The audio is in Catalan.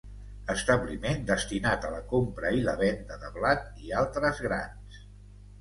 Establiment destinat a la compra i la venda de blat i altres grans.